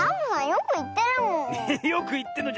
よくいってるの？